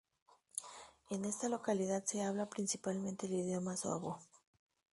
En esta localidad se habla principalmente el idioma suabo.